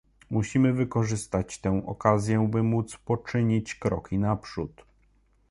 Musimy wykorzystać tę okazję, by móc poczynić kroki naprzód